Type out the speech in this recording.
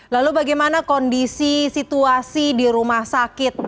lalu bagaimana kondisi situasi di rumah sakit